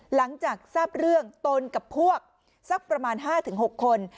หลังจากทราบเรื่องตนกับพวกสักประมาณ๕๖คน